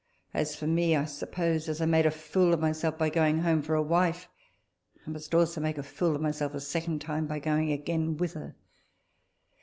As for me, I suppose, as I made a fool of myself by going home for a wife, I must also make a fool of myself a second time by going again with her.